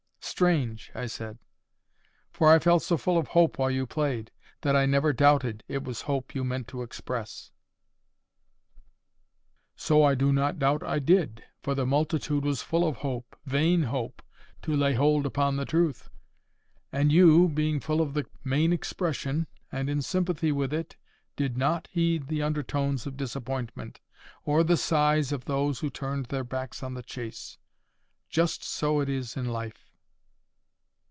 "Strange!" I said; "for I felt so full of hope while you played, that I never doubted it was hope you meant to express." "So I do not doubt I did; for the multitude was full of hope, vain hope, to lay hold upon the truth. And you, being full of the main expression, and in sympathy with it, did not heed the undertones of disappointment, or the sighs of those who turned their backs on the chase. Just so it is in life."